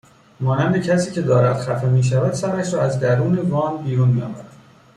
مانند کسی که دارد خفه میشود سرش را از درون وان بیرون میآورد